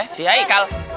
eh si hai kal